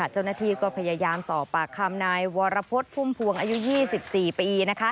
เจ้าหน้าที่ก็พยายามสอบปากคำนายวรพฤษพุ่มพวงอายุ๒๔ปี